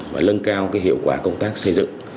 và lân cao hiệu quả công tác xây dựng